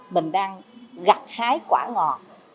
mình đang gặt hái quả ngọt